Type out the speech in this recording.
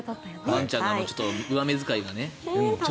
ワンちゃんの上目遣いがね。